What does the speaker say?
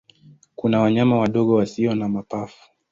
Kuna wanyama wadogo wasio na mapafu.